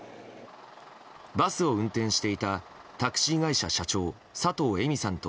バスを運転していたタクシー会社社長佐藤恵美さんと